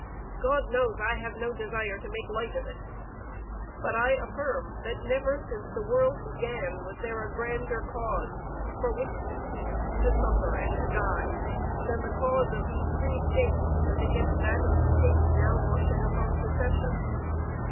God knows I have no desire to make light of it. But I affirm, that never since the world began, was there a grander cause for which to speak, to suffer and to die, than the cause of these free States, as against that of the States now rushing upon Secession.